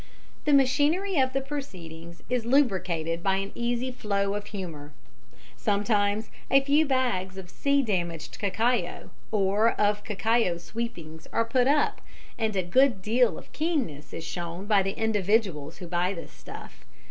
The machinery of the proceedings is lubricated by an easy flow of humour. Sometimes a few bags of sea damaged cacao or of cacao sweepings are put up, and a good deal of keenness is shown by the individuals who buy this stuff.